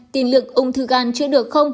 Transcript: tiên lượng ung thư gan chữa được không